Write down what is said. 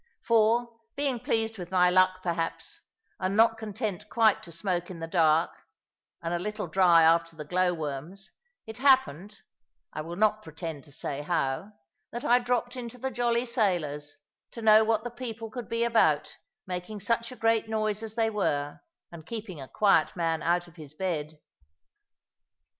For, being pleased with my luck perhaps, and not content quite to smoke in the dark, and a little dry after the glow worms, it happened (I will not pretend to say how) that I dropped into the "Jolly Sailors," to know what the people could be about, making such a great noise as they were, and keeping a quiet man out of his bed.